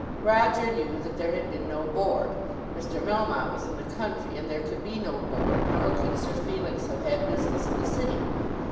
Roger knew that there had been no Board. Mr. Melmotte was in the country and there could be no Board, nor could Sir Felix have had business in the city.